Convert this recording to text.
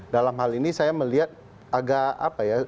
dalam hal ini saya melihat agak apa ya